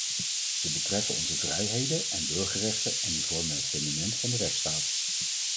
Ze betreffen onze vrijheden en burgerrechten en die vormen het fundament van de rechtsstaat.